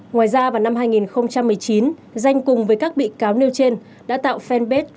ngoài ra vào năm hai nghìn một mươi chín danh cùng với các bị cáo nêu trên đã tạo fanpage